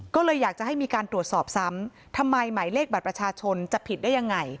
ก็เลยอยากจะให้มีการตรวจสอบซ้ำทำไมหมายเลขบัตรประชาชนจะผิดได้ยังไง